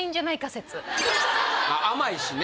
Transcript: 説甘いしね